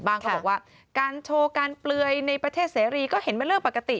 เขาบอกว่าการโชว์การเปลือยในประเทศเสรีก็เห็นเป็นเรื่องปกติ